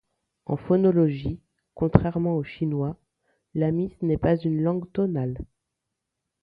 En phonologie, contrairement au chinois, l’amis n’est pas une langue tonale.